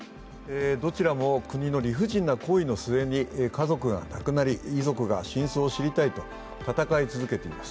どちらも国の理不尽な行為の末に家族が亡くなり遺族が真相を知りたいと闘い続けています。